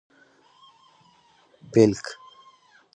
🦃 پېلک